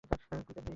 কুঁড়ি কেন্দ্রিক।